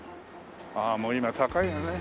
ああもう今高いよね